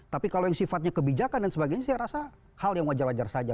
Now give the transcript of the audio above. tapi kalau yang sifatnya kebijakan dan sebagainya saya rasa hal yang wajar wajar saja